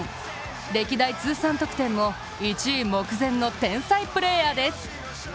歴代通算得点も１位目前の天才プレーヤーです。